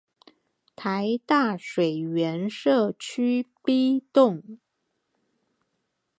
臺大水源舍區 B 棟